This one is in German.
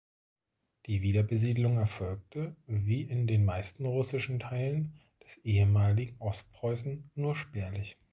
Die Wiederbesiedlung erfolgte, wie in den meisten russischen Teilen des ehemaligen Ostpreußen, nur spärlich.